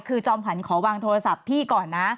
คือจอมขวัญขอวางโทรศัพท์พี่ก่อนนะ